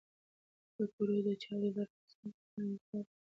د کور د چارو برخه اخیستل د پلار د مسؤلیت برخه ده.